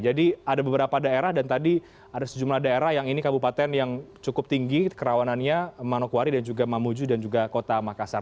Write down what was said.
jadi ada beberapa daerah dan tadi ada sejumlah daerah yang ini kabupaten yang cukup tinggi kerawanannya manokwari dan juga mamuju dan juga kota makassar